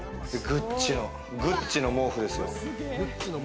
グッチの毛布ですよ。